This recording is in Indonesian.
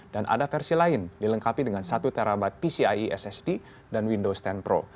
dan ada versi lain dilengkapi dengan satu tb pcie ssd dan windows sepuluh pro